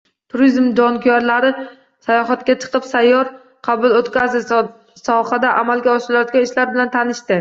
Turizm jonkuyarlari sayohatga chiqib sayyor qabul o‘tkazdi, sohada amalga oshirilayotgan ishlar bilan tanishdi